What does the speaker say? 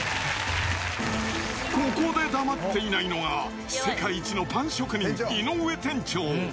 ここで黙っていないのが、世界一のパン職人、井上店長。